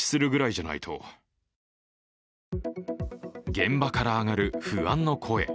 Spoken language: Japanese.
現場から上がる不安の声。